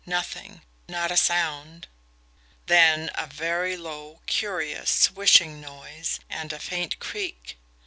Nothing not a sound. Then a very low, curious, swishing noise, and a faint creak.